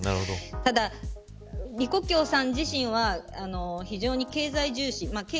ただ、李克強さん自身は非常に経済重視。